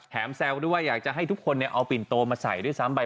แซวด้วยว่าอยากจะให้ทุกคนเอาปิ่นโตมาใส่ด้วยซ้ำไป